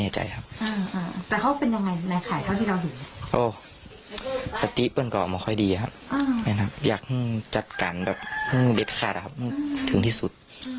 โอ้โหสติเปิดก่อมาค่อยดีครับอยากจัดการแบบเด็ดขาดครับถึงที่สุด